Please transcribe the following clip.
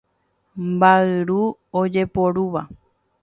Mba'yru ojeporúva.